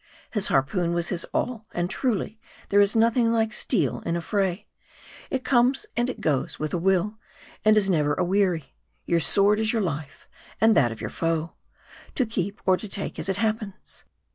His harpoon was his all. And truly, there is nothing like steel in a fray. It comes and it goes with a will, and is never a weary. Your sword is your life, and that of your foe ; to keep or to take as it happens.